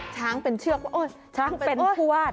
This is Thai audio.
ช้างเป็นเชือกว่าช้างเป็นผู้วาด